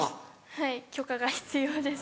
はい許可が必要です。